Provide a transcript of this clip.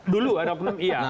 dulu ada oknum iya